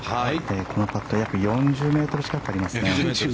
このパット約４０ｍ近くありますね。